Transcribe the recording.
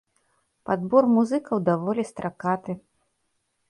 Падбор музыкаў даволі стракаты.